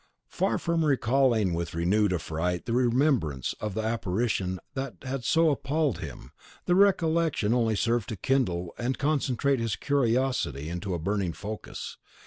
Far from recalling with renewed affright the remembrance of the apparition that had so appalled him, the recollection only served to kindle and concentrate his curiosity into a burning focus.